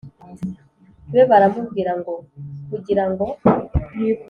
be baramubwira ngo kugira ngo